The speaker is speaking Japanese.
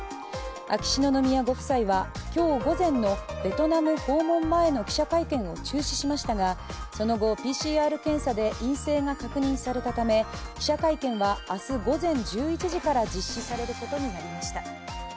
秋篠宮ご夫妻は今日午前のベトナム訪問前の記者会見を中止しましたがその後、ＰＣＲ検査で陰性が確認されたため、記者会見は明日午前１１時から実施されることになりました。